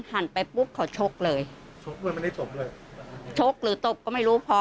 หันไปปุ๊บเขาชกเลยชกหรือตบก็ไม่รู้พอ